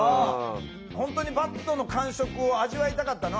本当にバットの感触を味わいたかったの？